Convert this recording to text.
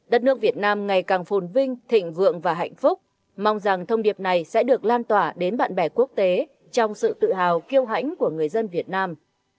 đất nước việt nam ngày càng phồn vinh thịnh vượng và hạnh phúc mong rằng thông điệp này sẽ được lan tỏa đến bạn bè quốc tế trong sự tự hào kêu hãnh của người dân việt nam